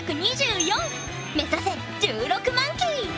目指せ１６万基！